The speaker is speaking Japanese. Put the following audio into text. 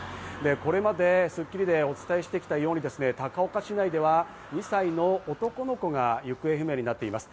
これまで『スッキリ』でお伝えしてきたように高岡市内では２歳の男の子が行方不明になっています。